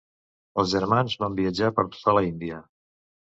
Els germans van viatjar per tota l'Índia.